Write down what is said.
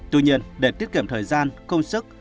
tuy nhiên để tiết kiệm thời gian công sức